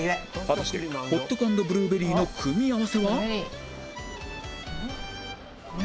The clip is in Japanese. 果たしてホットク＆ブルーベリーの組み合わせは？